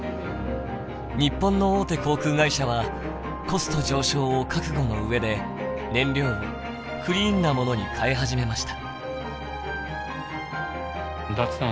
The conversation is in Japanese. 日本の大手航空会社はコスト上昇を覚悟の上で燃料をクリーンなものに替え始めました。